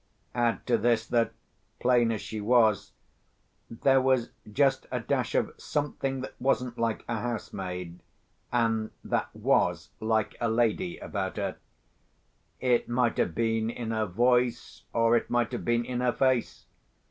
Add to this that, plain as she was, there was just a dash of something that wasn't like a housemaid, and that was like a lady, about her. It might have been in her voice, or it might have been in her face.